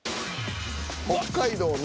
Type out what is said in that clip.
「北海道の」